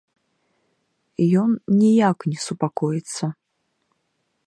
Ён ніяк не супакоіцца.